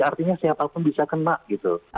artinya siapapun bisa kena gitu